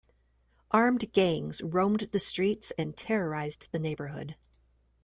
Armed gangs roamed the streets and terrorized the neighborhood.